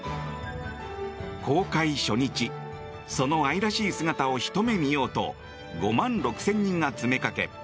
公開初日、その愛らしい姿をひと目見ようと５万６０００人が詰めかけ